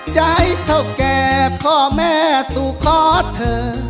ใจเท่าแก่พ่อแม่สู่ขอเธอ